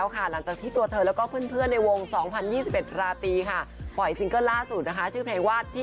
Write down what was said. คือผู้ชมว่า